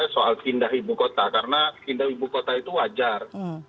soal pindah ibu kota karena pindah ibu kota itu wajar